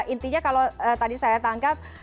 intinya kalau tadi saya tangkap